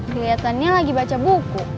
keliatannya lagi baca buku